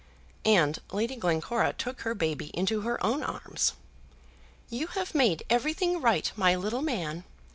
And Lady Glencora took her baby into her own arms. "You have made everything right, my little man.